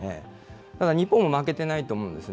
日本も負けてないと思うんですね。